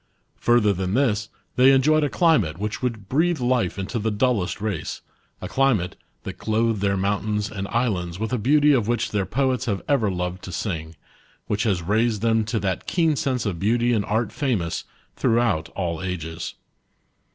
Further than this, they enjoyed a climate which would breathe life into the dullest race ; a climate, that clothed their mountains and islands with a . beauty, of which the ir poets have ever loved to sing, which has raided them to that keen sense of beauty and art famous, throughout all ages. 70 HOW THE PHOENICIANS TAUGHT THE GREEKS.